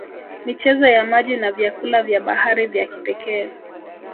Michezo ya maji na vyakula vya bahari vya kipekee